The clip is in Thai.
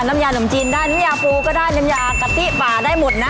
น้ำยานมจีนได้น้ำยาปูก็ได้น้ำยากะทิป่าได้หมดนะ